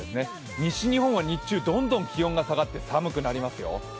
西日本は日中どんどん気温が下がって寒くなりますね。